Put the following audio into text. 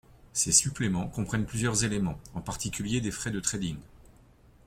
Ces suppléments comprennent plusieurs éléments, en particulier des frais de trading.